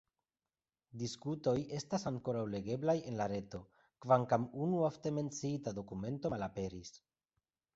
Diskutoj estas ankoraŭ legeblaj en la reto kvankam unu ofte menciita dokumento malaperis.